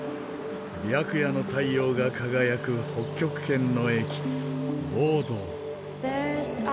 白夜の太陽が輝く北極圏の駅ボードー。